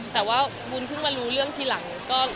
แต่ว่าบุญเพิ่งมารู้เรื่องทีหลัง